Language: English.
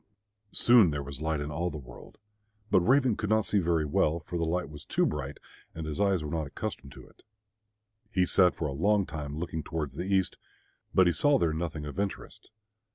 Soon there was light in all the world. But Raven could not see very well, for the light was too bright and his eyes were not accustomed to it. He sat for a time looking towards the east, but he saw there nothing of interest.